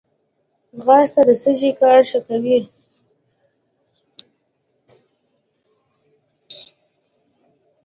ځغاسته د سږي کار ښه کوي